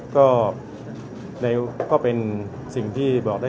สวัสดีครับ